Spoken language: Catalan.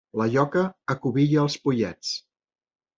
La lloca acubilla els pollets.